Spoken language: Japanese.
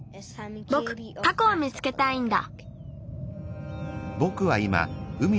ぼくタコを見つけたいんだ。